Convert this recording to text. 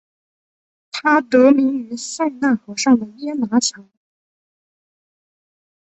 它得名于塞纳河上的耶拿桥。